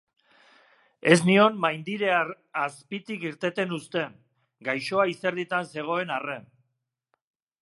Ez nion maindire azpitik irteten uzten, gaixoa izerditan zegoen arren.